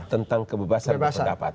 tentang kebebasan berpendapat